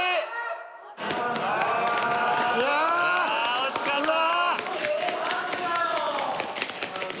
惜しかったな。